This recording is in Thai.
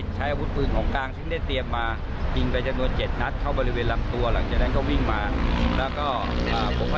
แล้วก็พวกพันธุ์ทศพโรตภัทรภงของทัศนช่วยกันจับ